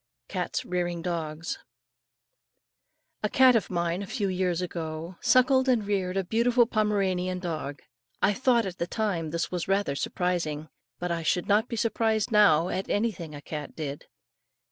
CATS REARING DOGS. A cat of mine, a few years ago, suckled and reared a beautiful Pomeranian dog. I thought at the time this was rather surprising; but I should not be surprised now at anything a cat did.